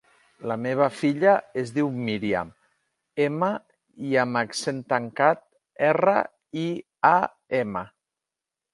La meva filla es diu Míriam: ema, i amb accent tancat, erra, i, a, ema.